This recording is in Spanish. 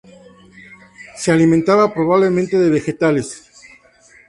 Se alimentaba probablemente de vegetales.